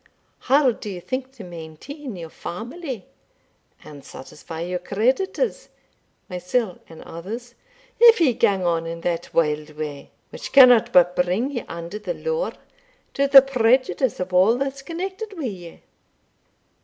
How d'ye think to mainteen your family and satisfy your creditors (mysell and others), if ye gang on in that wild way, which cannot but bring you under the law, to the prejudice of a' that's connected wi' ye?"